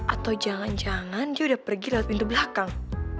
atau jangan jangan dia udah pergi lewat pintu belakang